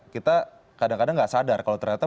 kita kadang kadang nggak sadar kalau ternyata